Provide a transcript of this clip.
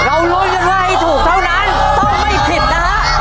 เรารุ่นเงินมาให้ถูกเท่านั้นต้องไม่ผิดนะฮะ